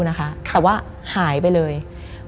มันกลายเป็นรูปของคนที่กำลังขโมยคิ้วแล้วก็ร้องไห้อยู่